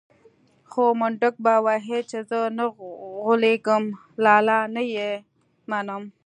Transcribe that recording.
خو منډک به ويل چې زه نه غولېږم لالا نه يې منم.